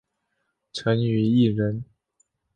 陈与义人。